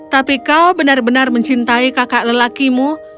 tapi kau benar benar mencintai kakak lelakimu